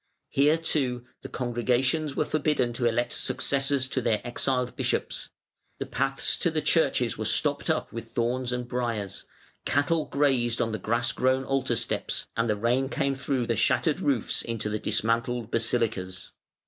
Here, too, the congregations were forbidden to elect successors to their exiled bishops; the paths to the churches were stopped up with thorns and briers; cattle grazed on the grass grown altar steps, and the rain came through the shattered roofs into the dismantled basilicas.